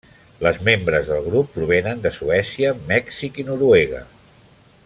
Les membres del grup provenen de Suècia, Mèxic i Noruega.